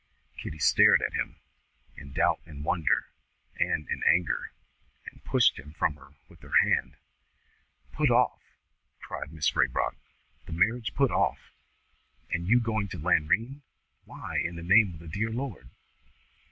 Kitty stared at him, in doubt and wonder and in anger, and pushed him from her with her hand. "Put off?" cried Mrs. Raybrock. "The marriage put off? And you going to Lanrean! Why, in the name of the dear Lord?"